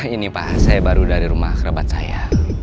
ini pak saya baru dari rumah kerabat saya